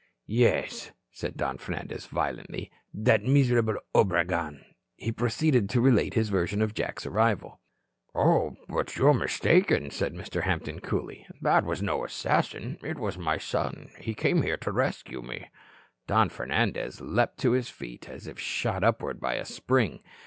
"Yes," said Don Fernandez, violently. "That miserable Obregon." And he proceeded to relate his version of Jack's arrival. "Oh, but you are mistaken," said Mr. Hampton, coolly. "That was no assassin, but my son. He came to attempt to rescue me." Don Fernandez leaped to his feet, as if shot upward by a spring.